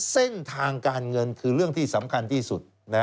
เส้นทางการเงินคือเรื่องที่สำคัญที่สุด